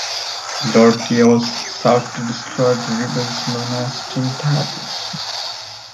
Lord Chaos sought to destroy the rebels known as the Team Titans.